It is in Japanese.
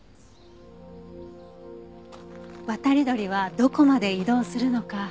渡り鳥はどこまで移動するのか